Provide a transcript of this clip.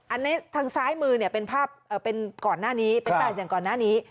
อันนี้ทางซ้ายมือเป็นภาพเป็นก่อนหน้านี้เป็น๘เสียงก่อนหน้านี้